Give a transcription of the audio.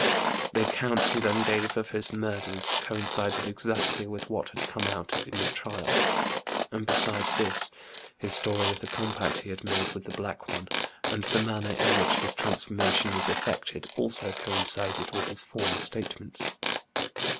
The account he then gave of his murders coincided exactly with what had come out in his trial ; and beside this, his story of the compact he had made with the Black One, and the manner in which his trans formation was effected, also coincided with his former statements.